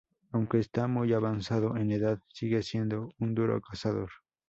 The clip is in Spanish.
Aunque está muy avanzado en edad, sigue siendo un duro cazador.